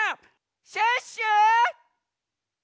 シュッシュ！